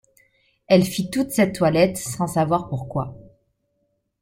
Elle fit toute cette toilette sans savoir pourquoi.